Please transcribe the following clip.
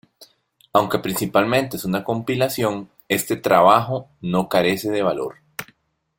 Aunque principalmente es una compilación, este trabajo no carece de valor.